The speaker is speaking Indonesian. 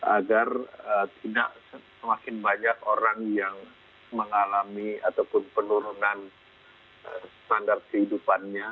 agar tidak semakin banyak orang yang mengalami ataupun penurunan standar kehidupannya